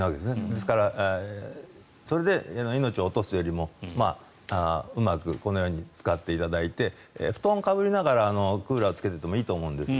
ですからそれで命を落とすよりもうまくこのように使っていただいて布団をかぶりながらクーラーをつけていてもいいと思うんです。